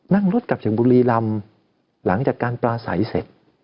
นั่งรถกลับจากบุรีรำหลังจากการปลาใสเสร็จ